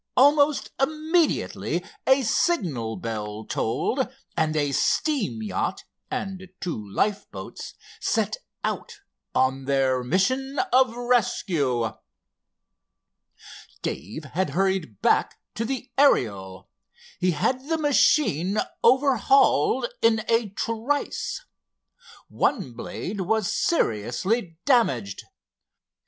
Almost immediately a signal bell tolled, and a steam yacht, and two lifeboats, set out on their mission of rescue. Dave had hurried back to the Ariel. He had the machine overhauled in a trice. One blade was seriously damaged.